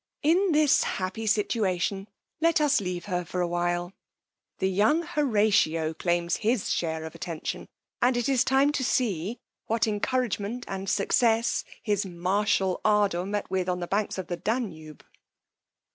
In this happy situation let us leave her for a while: the young Horatio claims his share of attention; and it is time to see what encouragement and success his martial ardor met with on the banks of the Danube.